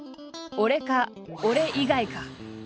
「俺か、俺以外か。」。